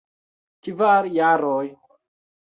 Kvar jaroj.